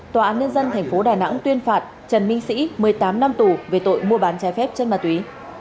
tòa án nhân dân tp đà nẵng tuyên phạt trần minh sĩ một mươi tám năm tù về tội mua bán trái phép chân ma túy